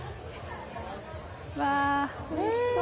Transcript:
わー、おいしそう。